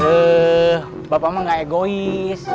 eh bapak mah gak egois